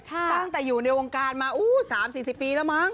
ตั้งแต่อยู่ในวงการมา๓๔๐ปีแล้วมั้ง